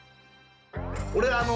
俺あの。